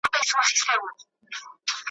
نه ژغورلو ته دوستان مي سوای راتللای ,